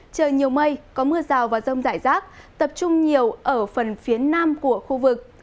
trời nhiều mây có mưa rào và rông rải rác tập trung nhiều ở phần phía nam của khu vực